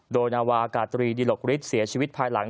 โดยนาวากาตรีดิหลกฤทธิ์เสียชีวิตภายหลัง